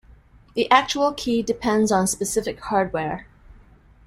The actual key depends on specific hardware.